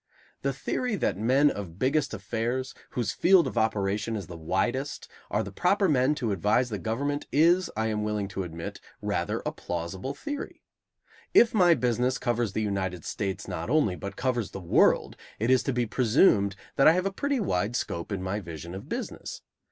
The theory that the men of biggest affairs, whose field of operation is the widest, are the proper men to advise the government is, I am willing to admit, rather a plausible theory. If my business covers the United States not only, but covers the world, it is to be presumed that I have a pretty wide scope in my vision of business.